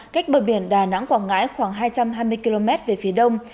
cách bờ biển đà nẵng quảng ngãi khoảng hai trăm hai mươi km về phía đông